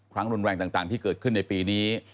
ครั้งรุนแรงต่างที่เกิดขึ้นในปีนี้